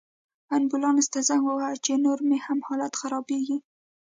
امبولانس ته زنګ ووهه، چې نور مې هم حالت خرابیږي